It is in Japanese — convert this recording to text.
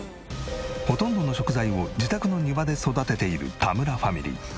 ほとんどの食材を自宅の庭で育てている田村ファミリー。